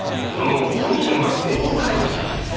でも組員は全員逮捕したんだ。